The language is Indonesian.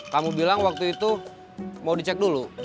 kamu bilang waktu itu mau dicek dulu